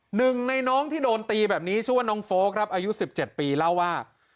หนึ่งในน้องที่โดนตีแบบนี้ชื่อว่าน้องโฟลกครับอายุ๑๗ปีเล่าว่า